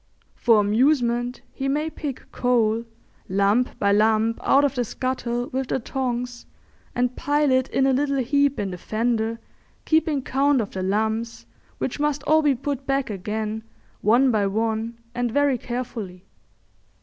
For amusement he may pick coal lump by lump out of the scuttle with the tongs and pile it in a little heap in the fender, keeping count of the lumps, which must all be put back again, one by one and very carefully.